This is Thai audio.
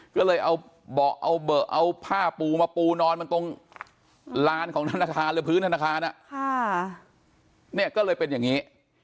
ก็เลยเอาผ้าปูมาปูนอนตรงร้านของธนาคารหรือพื้นธนาคารก็เลยเป็นอย่างนี้